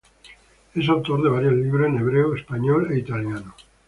Es autor de varios libros en hebreo, español e italiano.